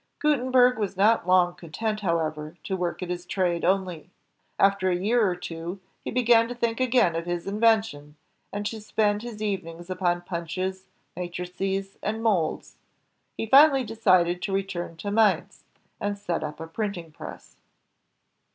Gutenberg was not long content, however, to work at his trade only. After a year or two, he began to think again of his invention, and to spend his evenings upon punches, matrices, and molds. He finally decided to return to Mainz, and set up a printing press.